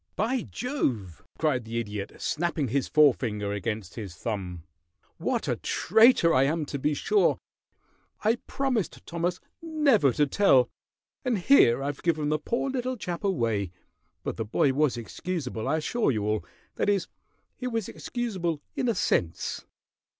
"By jove!" cried the Idiot, snapping his forefinger against his thumb, "what a traitor I am, to be sure. I promised Thomas never to tell, and here I've given the poor little chap away; but the boy was excusable, I assure you all that is, he was excusable in a sense.